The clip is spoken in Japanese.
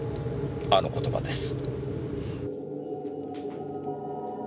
あの言葉です。